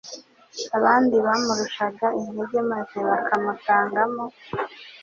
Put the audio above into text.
Abandi bamurushaga intege maze bakamutangamo